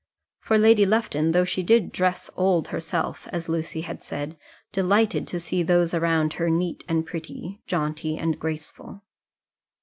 For Lady Lufton, though she did dress old herself, as Lucy had said, delighted to see those around her neat and pretty, jaunty and graceful.